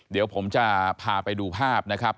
เดี๋ยวผมจะพาไปดูภาพนะครับ